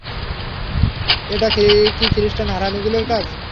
এটা কি খ্রিষ্টান হারামিগুলোর কাজ?